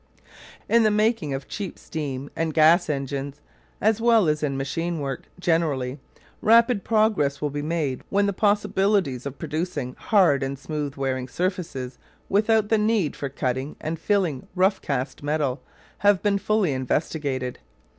In the making of cheap steam and gas engines, as well as in machine work generally, rapid progress will be made when the possibilities of producing hard and smooth wearing surfaces without the need for cutting and filing rough cast metal have been fully investigated.